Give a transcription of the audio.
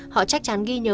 họ chắc chắn ghi nhớ